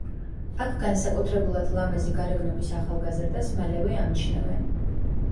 აქ განსაკუთრებულად ლამაზი გარეგნობის ახალგაზრდას მალევე ამჩნევენ.